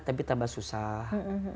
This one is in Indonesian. tapi tambah susah